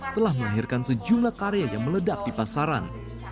telah melahirkan sejumlah karya yang meledak di pasaran